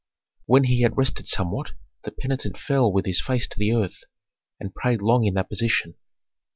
When he had rested somewhat, the penitent fell with his face to the earth and prayed long in that position.